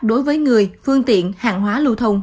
đối với người phương tiện hàng hóa lưu thông